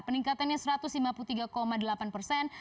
peningkatannya satu ratus lima puluh tiga delapan persen